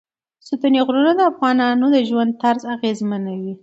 ستوني غرونه د افغانانو د ژوند طرز اغېزمنوي.